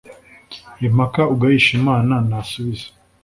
impaka ugayisha imana nasubize